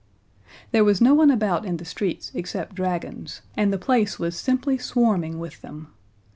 There was no one about in the streets except dragons, and the place was simply swarming with them.